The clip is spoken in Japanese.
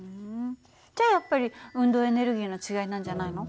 じゃあやっぱり運動エネルギーの違いなんじゃないの？